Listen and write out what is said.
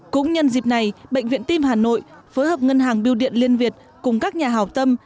cũng nhân dịp này bệnh viện tim hà nội phối hợp ngân hàng biêu điện liên việt cùng các nhà hào tâm